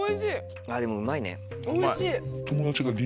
おいしい。